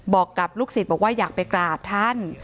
บอกกับลูกศิษย์บอกว่าอยากไปกราบท่าน